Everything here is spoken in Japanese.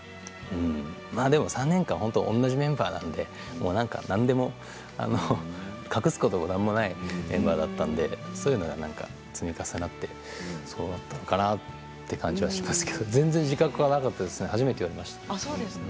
でも、３年間同じメンバーなので何でも隠すことも何もないメンバーだったのでそういうのが積み重なってそうなったのかなという感じはしますけど全然自覚はなかったですね初めて言われました。